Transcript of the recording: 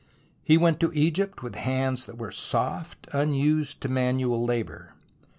He went to Egypt with hands that were soft, unused to manual labour.